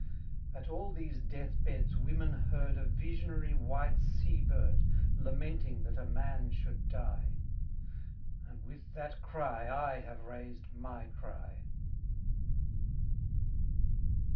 At all these death beds women heard A visionary white sea bird Lamenting that a man should die; And with that cry I have raised my cry.